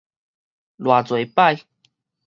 偌濟擺